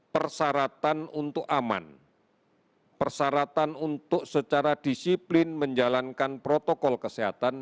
persyaratan untuk aman persyaratan untuk secara disiplin menjalankan protokol kesehatan